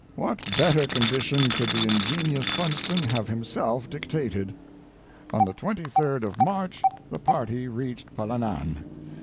What better condition could the ingenious Funston have himself dic tated? On the 23d of March the party reached Palanan.